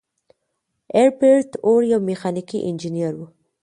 هربرت هوور یو میخانیکي انجینر و.